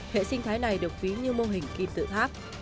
hệ sinh thái này được ví như mô hình kim tự tháp